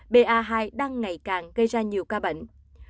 ba hai đang ngày càng gây ra nhiều ca bệnh